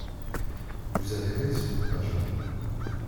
«Vous avez raison, Pageant.